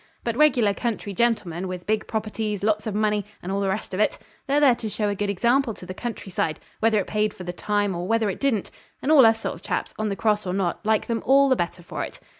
But regular country gentlemen, with big properties, lots of money, and all the rest of it, they're there to show a good example to the countryside, whether it paid for the time or whether it didn't; and all us sort of chaps, on the cross or not, like them all the better for it.